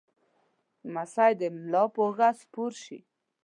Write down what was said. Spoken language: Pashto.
لمسی د ملا پر اوږه سپور شي.